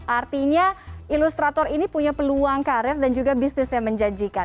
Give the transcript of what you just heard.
artinya ilustrator ini punya peluang karir dan juga bisnis yang menjanjikan